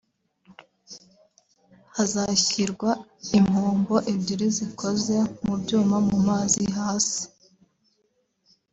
hazashyirwa impombo ebyiri zikoze mu byuma mu mazi hasi